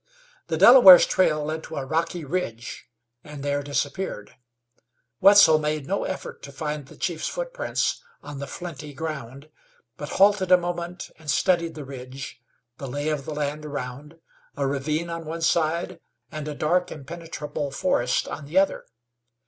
The Delaware's trail led to a rocky ridge and there disappeared. Wetzel made no effort to find the chief's footprints on the flinty ground, but halted a moment and studied the ridge, the lay of the land around, a ravine on one side, and a dark impenetrable forest on the other.